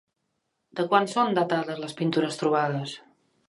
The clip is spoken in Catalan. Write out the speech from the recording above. De quan són datades les pintures trobades?